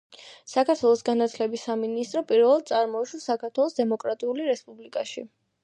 საქართველოს განათლების სამინისტრო პირველად წარმოიშვა საქართველოს დემოკრატიული რესპუბლიკაში.